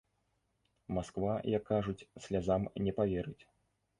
Масква, як кажуць, слязам не паверыць.